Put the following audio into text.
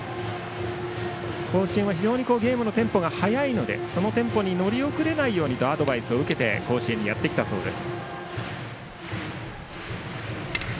甲子園はゲームのテンポが速いのでそのテンポに乗り遅れないようにとアドバイスを受けて甲子園にやってきたそうです。